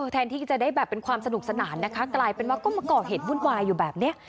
แทนที่จะได้แบบเป็นความสนุกสนานนะคะกลายเป็นว่าก็มาก่อเหตุวุ่นวายอยู่แบบนี้